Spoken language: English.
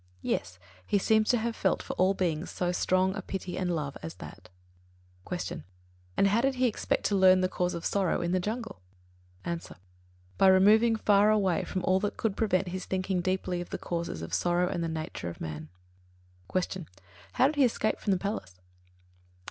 Yes; he seems to have felt for all beings so strong a pity and love as that. 40. Q. And how did he expect to learn the cause of sorrow in the jungle? A. By removing far away from all that could prevent his thinking deeply of the causes of sorrow and the nature of man. 41. Q. _How did he escape from the palace?